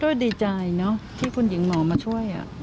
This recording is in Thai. ก็ดีใจเนอะที่คุณหญิงหมอมาช่วย